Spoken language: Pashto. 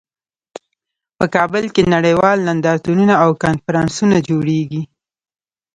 په کابل کې نړیوال نندارتونونه او کنفرانسونه جوړیږي